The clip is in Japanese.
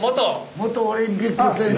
元オリンピック選手。